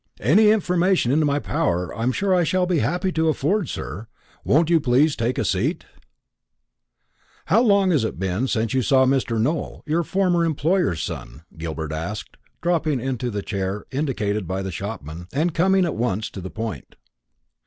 "Any information in my power I'm sure I shall be happy to afford, sir. Won't you be pleased to take a seat?" "How long is it since you saw Mr. Nowell, your former employer's son?" Gilbert asked, dropping into the chair indicated by the shopman, and coming at once to the point.